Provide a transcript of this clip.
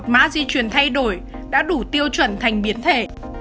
mã di chuyển thay đổi đã đủ tiêu chuẩn thành biến thể